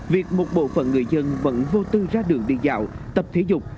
việc một bộ phận người dân vẫn vô tư ra đường đi dạo tập thể dục